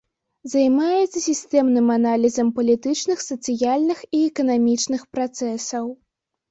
Займаецца сістэмным аналізам палітычных, сацыяльных і эканамічных працэсаў.